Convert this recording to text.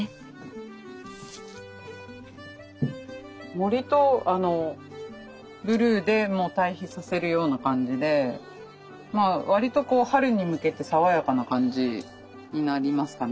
森とブルーで対比させるような感じで割と春に向けて爽やかな感じになりますかね